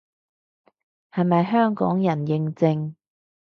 係咪香港人認證